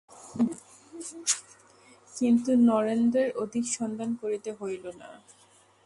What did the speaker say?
কিন্তু নরেন্দ্রের অধিক সন্ধান করিতে হইল না।